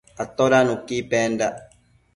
Atoda nuqui pendac?